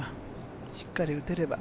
しっかり打てれば。